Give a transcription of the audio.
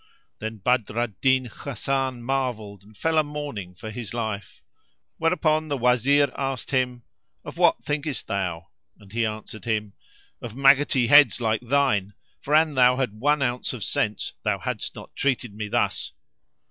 Then Badr al Din Hasan marvelled and fell a mourning for his life; whereupon the Wazir asked him, "Of what thinkest thou?"; and he answered him, "Of maggoty heads like thine; [FN#479] for an thou had one ounce of sense thou hadst not treated me thus."